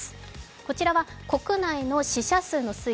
こちらは国内の死者数の推移。